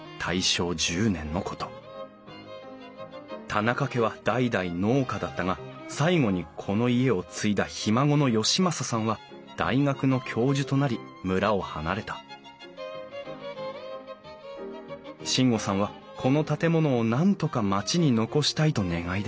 田仲家は代々農家だったが最後にこの家を継いだひ孫の可昌さんは大学の教授となり村を離れた進悟さんはこの建物をなんとか町に残したいと願い出た。